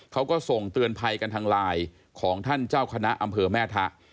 เขาก็ส่งเตือนภัยกันทางไลน์ของท่านเจ้าคณะอำเภอแม่ทะ